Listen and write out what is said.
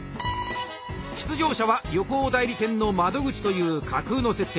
出場者は旅行代理店の窓口という架空の設定。